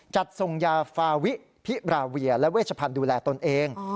จัดส่งยาฟาวิพิราเวียและเวชพันธ์ดูแลตนเอง